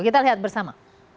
kita lihat bersama